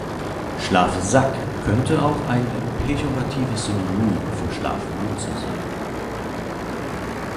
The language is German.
Schlafsack könnte auch ein pejoratives Synonym für Schlafmütze sein.